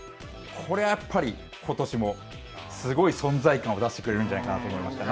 これはやっぱりことしもすごい存在感を出してくれるんじゃないかなと思いましたね。